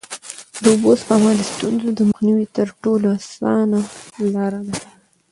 د اوبو سپما د ستونزو د مخنیوي تر ټولو اسانه لاره ده.